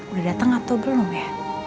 udah datang atau belum ya